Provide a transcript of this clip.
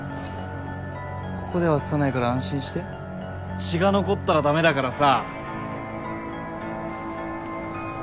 ここでは刺さないから安心して血が残ったらダメだからさ。